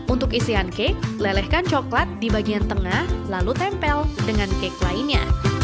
untuk isian cake lelehkan coklat di bagian tengah lalu tempel dengan cake lainnya